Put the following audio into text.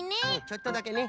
ちょっとだけね。